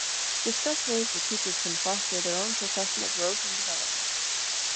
Discuss ways that teachers can foster their own professional growth and development.